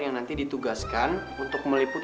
yang nanti ditugaskan untuk meliput